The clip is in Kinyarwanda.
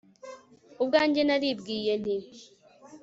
ubwanjye naribwiye nti